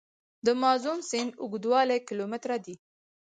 د مازون سیند اوږدوالی کیلومتره دی.